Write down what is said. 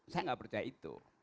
saya tidak percaya itu